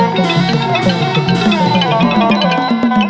กลับมารับทราบ